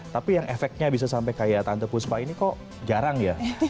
tapi yang efeknya bisa sampai kayak tante puspa ini kok jarang ya